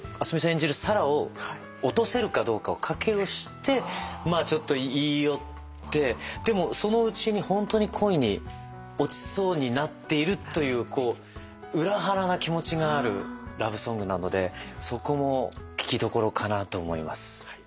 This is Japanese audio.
演じるサラを落とせるかどうかを賭けをしてちょっと言い寄ってでもそのうちにホントに恋に落ちそうになっているという裏腹な気持ちがあるラブソングなのでそこも聞きどころかなと思います。